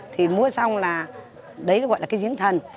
thì múa xong là đấy là gọi là cái diễn thần